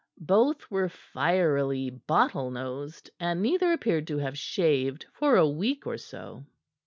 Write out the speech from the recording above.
Both were fierily bottle nosed, and neither appeared to have shaved for a week or so.